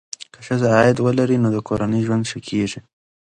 که ښځه عاید ولري، نو د کورنۍ ژوند ښه کېږي.